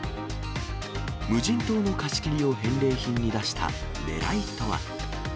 無人島の貸し切りを返礼品に出したねらいとは。